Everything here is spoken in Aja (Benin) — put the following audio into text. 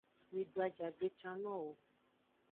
Mido ajagbe can nowo.